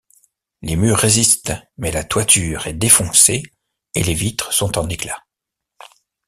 Les murs résistent, mais la toiture est défoncée et les vitres sont en éclats.